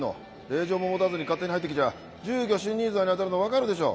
令状も持たずに勝手に入ってきちゃ住居侵入罪にあたるの分かるでしょ。